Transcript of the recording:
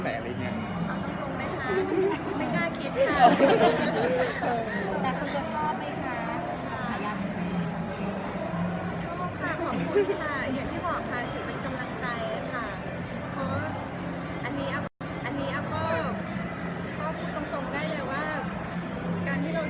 คิดว่าปีนี้คงไม่มีค่ะเพราะว่าปีที่แล้วติดไปแล้ว